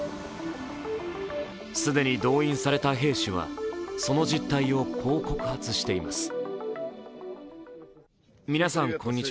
既に動員された兵士は、その実態をこう告発しています。